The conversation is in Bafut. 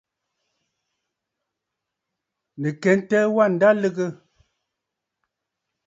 Nɨ̀ kɛntə, wâ ǹda lɨgə.